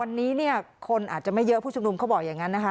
วันนี้เนี่ยคนอาจจะไม่เยอะผู้ชุมนุมเขาบอกอย่างนั้นนะคะ